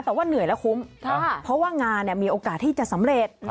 แต่ว่าเหนื่อยแล้วคุ้มเพราะว่างานมีโอกาสที่จะสำเร็จ